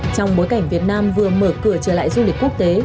trong bối cảnh việt nam vừa mở cửa trở lại du lịch quốc tế